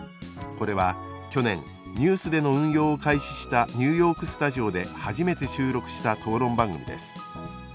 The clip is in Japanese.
これは去年ニュースでの運用を開始したニューヨーク・スタジオで初めて収録した討論番組です。